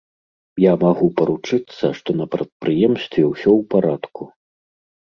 Я магу паручыцца, што на прадпрыемстве ўсё ў парадку.